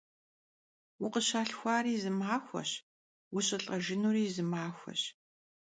Vukhışalhxuari zı maxueş, vuşılh'ejjınuş zı maxueş.